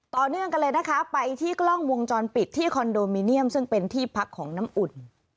ต่อเนื่องกันเลยนะคะไปที่กล้องวงจรปิดที่คอนโดมิเนียมซึ่งเป็นที่พักของน้ำอุ่น